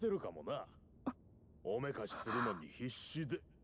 おめかしするのに必死で。